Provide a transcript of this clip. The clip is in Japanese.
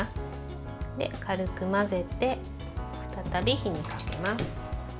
軽く混ぜて、再び火にかけます。